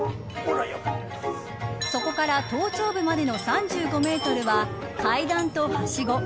そこから頭頂部までの３５メートルは階段とはしご